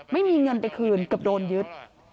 ไม่มีเงินไปคืนเกือบโดนยึด